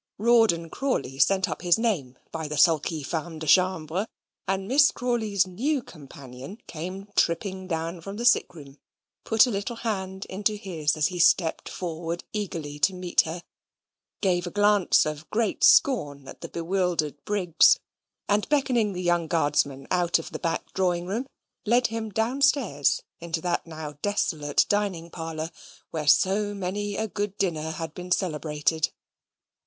Rawdon Crawley sent up his name by the sulky femme de chambre, and Miss Crawley's new companion, coming tripping down from the sick room, put a little hand into his as he stepped forward eagerly to meet her, gave a glance of great scorn at the bewildered Briggs, and beckoning the young Guardsman out of the back drawing room, led him downstairs into that now desolate dining parlour, where so many a good dinner had been celebrated.